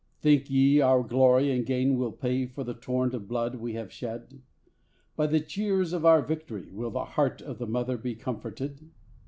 Think ye our glory and gain will pay for the torrent of blood we have shed? By the cheers of our Victory will the heart of the mother be comforted?